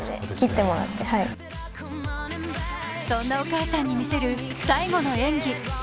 そんなお母さんに見せる最後の演技。